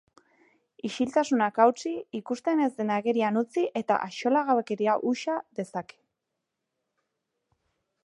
Isiltasunak hautsi, ikusten ez dena agerian utzi eta axolagabekeria uxa dezake.